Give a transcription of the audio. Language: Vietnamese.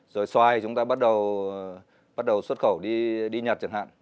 rồi xoay chúng ta bắt đầu xuất khẩu đi nhật chẳng hạn